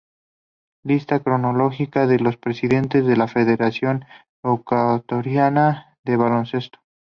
Lista cronológica de los presidentes de la Federación Ecuatoriana de Baloncesto.